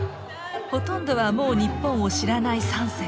ほとんどはもう日本を知らない３世。